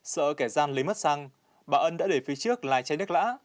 sợ kẻ gian lấy mất xăng bà ân đã để phía trước lái cháy nước lã